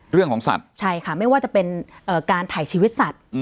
เรื่องของสัตว์ใช่ค่ะไม่ว่าจะเป็นการถ่ายชีวิตสัตว์